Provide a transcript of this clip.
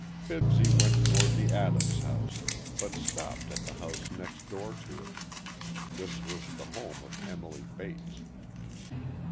Fibsy went toward the Adams house, but stopped at the house next door to it. This was the home of Emily Bates.